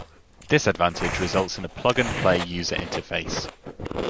This advantage results in a plug-and-play user interface.